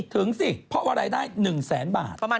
ถึงซิเพราะวันรายได้๑๐๐๐บาท